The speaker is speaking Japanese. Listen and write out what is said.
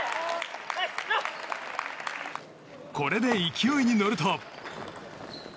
これで勢いに乗ると。